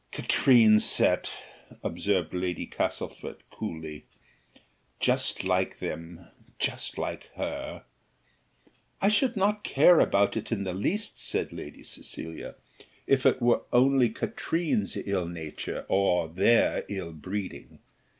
"Katrine's set," observed Lady Castlefort coolly. "Just like them; just like her!" "I should not care about it in the least," said Lady Cecilia, "if it were only Katrine's ill nature, or their ill breeding.